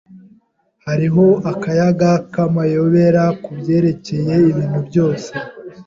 Hariho akayaga k'amayobera kubyerekeye ibintu byose.